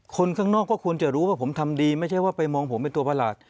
คนข้างนอกก็ควรจะรู้ว่าผมทำดีไม่ใช่ว่าไปมองผมเป็นตัวประหลาด